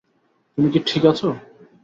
তুমি কি ঠিক আছো?